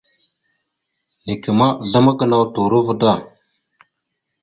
Neke ma, aslam gənaw turova da.